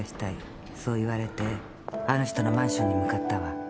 そう言われてあの人のマンションに向かったわ。